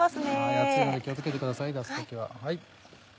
熱いので気を付けてください出す時は。